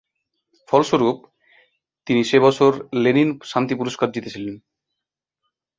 ফলস্বরূপ, তিনি সে বছর লেনিন শান্তি পুরস্কার জিতেছিলেন।